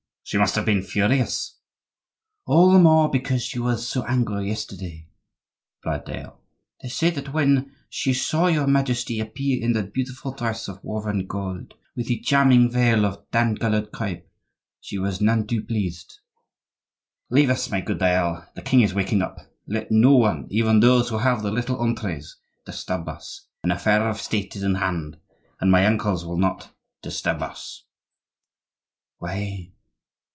"She must have been furious." "All the more because she was so angry yesterday," replied Dayelle. "They say that when she saw your Majesty appear in that beautiful dress of woven gold, with the charming veil of tan colored crape, she was none too pleased—" "Leave us, my good Dayelle, the king is waking up. Let no one, even those who have the little entrees, disturb us; an affair of State is in hand, and my uncles will not disturb us." "Why!